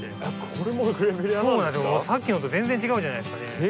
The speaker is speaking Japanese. さっきのと全然違うじゃないですかね。